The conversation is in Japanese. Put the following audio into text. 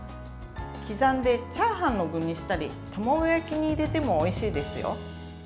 刻んでチャーハンの具にしたり卵焼きに入れてもおいしいですよ。